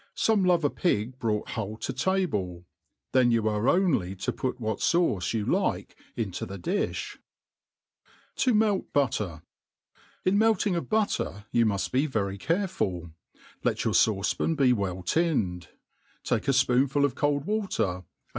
Some love a pig brought whole to table $ then yo^ fire only to put jii(ba>fauce ypu like into the diil). *''•"♦••'..*# ■^'tx/"''' To melt Butter. ''* IN melting of butter you nagft^bc. very careful ; let tour faucepan be well tinned ; take a fpoon'ful of cold water, a